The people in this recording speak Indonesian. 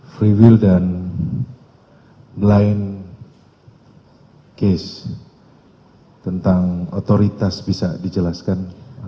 free will dan line case tentang otoritas bisa dijelaskan